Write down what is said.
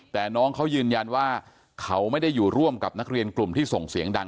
แต่น้องเขายืนยันว่าเขาไม่ได้อยู่ร่วมกับนักเรียนกลุ่มที่ส่งเสียงดัง